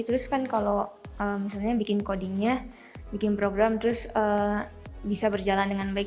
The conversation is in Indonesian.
terus kan kalau misalnya bikin codingnya bikin program terus bisa berjalan dengan baik